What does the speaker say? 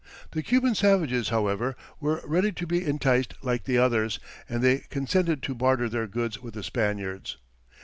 The Cuban savages, however, were ready to be enticed like the others, and they consented to barter their goods with the Spaniards.